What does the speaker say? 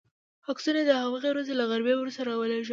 عکسونه یې د هماغې ورځې له غرمې وروسته را ولېږل.